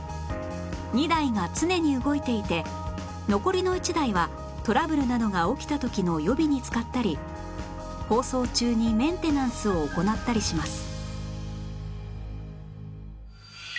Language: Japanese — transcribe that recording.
２台が常に動いていて残りの１台はトラブルなどが起きた時の予備に使ったり放送中にメンテナンスを行ったりします